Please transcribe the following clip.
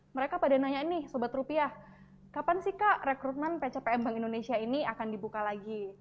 mereka pada nanya ini sobat rupiah kapan sih kak rekrutmen pcpm bank indonesia ini akan dibuka lagi